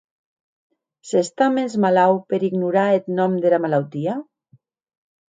S’està mens malaut per ignorar eth nòm dera malautia?